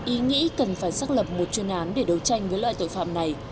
ý nghĩ cần phải xác lập một chuyên án để đấu tranh với loại tội phạm này